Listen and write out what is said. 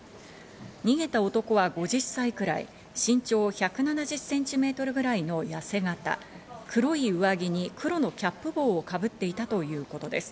逃げた男は５０歳ぐらい、身長１７０センチメートルぐらいのやせ形、黒い上着に黒のキャップ帽をかぶっていたということです。